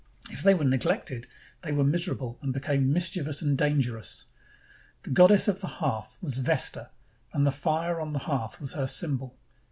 If they were neg lected, they were miserable and became mischievous and dangerous. The goddess of the hearth was Vesta, and the fire on the hearth was her symbol.